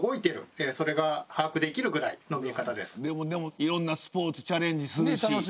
いろんなスポーツチャレンジするし。